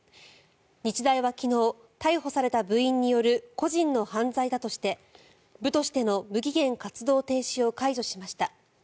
日大は昨日逮捕された部員による個人の犯罪だとして部としての無期限活動停止を解除しました。